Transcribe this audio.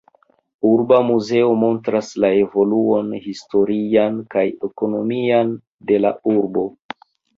Urba muzeo montras la evoluon historian kaj ekonomian de la urbo.